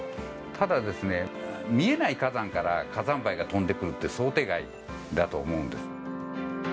ただですね、見えない火山から火山灰が飛んでくるって想定外だと思うんです。